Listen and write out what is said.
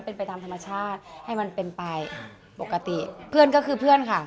คุณผู้ชายก็คือเพื่อนค่ะ